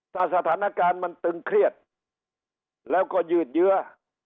ถ้าสถานการณ์มันตึงเครียดแล้วก็ยืดเยื้อ